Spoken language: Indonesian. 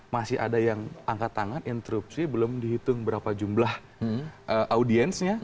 masih ada yang angkat tangan interupsi belum dihitung berapa jumlah audiensnya